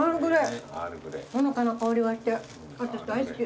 ほのかな香りがして私大好き。